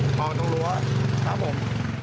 ออกตรงหลัวครับผม